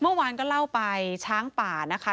เมื่อวานก็เล่าไปช้างป่านะคะ